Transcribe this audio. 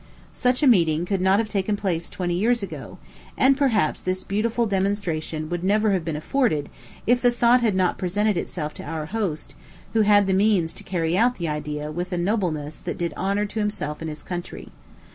Such a meeting could not have taken place twenty years ago; and perhaps this beautiful demonstration would never have been afforded, if the thought had not presented itself to our host, who had the means to carry out the idea with a nobleness that did honor to himself and his country.